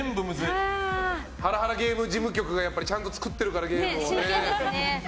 ハラハラゲーム事務局がちゃんと作ってるからねゲームを。